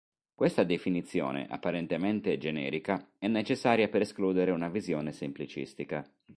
Questa definizione apparentemente generica è necessaria per escludere una visione semplicistica.